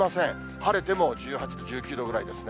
晴れても１８度、１９度ぐらいですね。